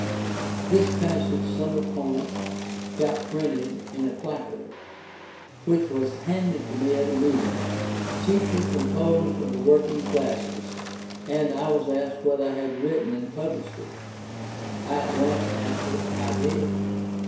This passage some opponent got printed in a placard, which was handed to me at a meeting, chiefly composed of the working classes, and I was asked whether I had written and published it. I at once answered "I did."